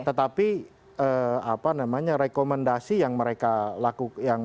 tetapi apa namanya rekomendasi yang mereka lakukan